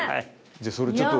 じゃあそれちょっと。